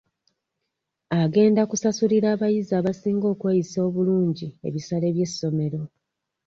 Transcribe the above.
Agenda kusasulira abayizi abasinga okweyisa obulungi ebisale by'essomero.